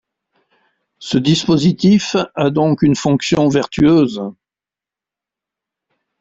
Ce dispositif a donc une fonction vertueuse.